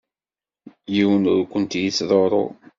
Yiwen ur kent-yettḍurru.